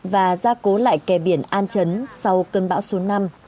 và gia cố lại kè biển an chấn sau cơn bão số năm